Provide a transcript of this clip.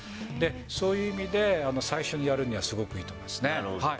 そういう意味で、最初にやるにはすごくいいと思いますね。